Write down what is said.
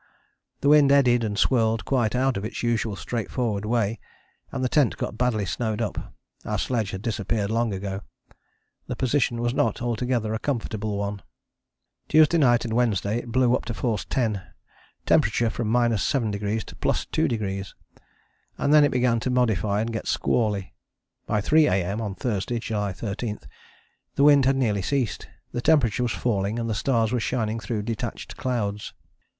The wind eddied and swirled quite out of its usual straightforward way, and the tent got badly snowed up: our sledge had disappeared long ago. The position was not altogether a comfortable one. Tuesday night and Wednesday it blew up to force 10, temperature from 7° to +2°. And then it began to modify and get squally. By 3 A.M. on Thursday (July 13) the wind had nearly ceased, the temperature was falling and the stars were shining through detached clouds.